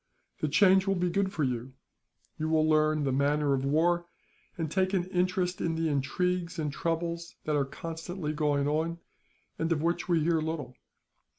The change will be good for you. You will learn the manner of war, and take an interest in the intrigues and troubles that are constantly going on, and of which we hear little.